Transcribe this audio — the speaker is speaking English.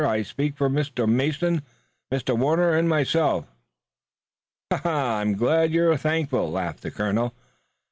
I speak for Mr. Mason, Mr. Warner and myself." "I'm glad you're thankful," laughed the colonel.